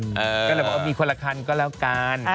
ก็เลยบอกว่ามีคนละคันก็แล้วกัน